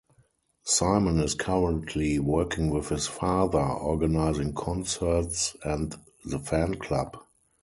Simon is currently working with his father, organising concerts and the fan club.